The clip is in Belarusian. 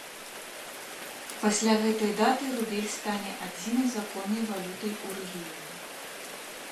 Пасля гэтай даты рубель стане адзінай законнай валютай у рэгіёне.